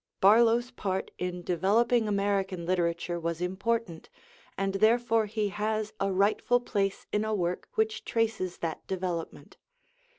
Barlow's part in developing American literature was important, and therefore he has a rightful place in a work which traces that development.